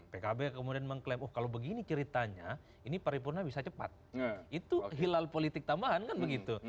pkb kemudian mengklaim oh kalau begini ceritanya ini paripurna bisa cepat itu hilal politik tambahan kan begitu